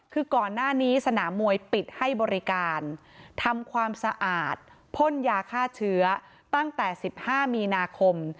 คือก่อนหน้านี้สนามมวยปิดให้บริการทำความสะอาดพ่นยาฆ่าเชื้อตั้งแต่๑๕มีนาคม